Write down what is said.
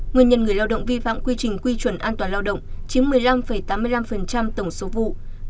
nguyên nhân người lao động vi phạm quy trình quy chuẩn an toàn lao động chiếm một mươi năm tám mươi năm tổng số vụ